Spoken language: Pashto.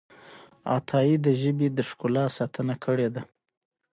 عطايي د ژبې د ښکلا ساتنه کړې ده.